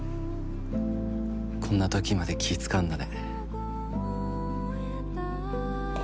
こんなときまで気使うんだね